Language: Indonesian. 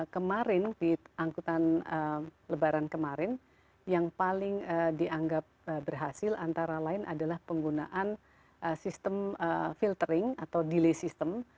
kemarin di angkutan lebaran kemarin yang paling dianggap berhasil antara lain adalah penggunaan sistem filtering atau delay system